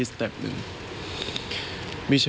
สวัสดีครับ